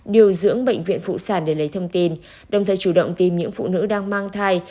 điều dưỡng bệnh viện phụ sản để lấy thông tin đồng thời chủ động tìm những phụ nữ đang mang thai